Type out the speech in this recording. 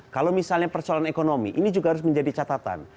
kalau misalnya persoalan ekonomi ini juga harus menjadi catatan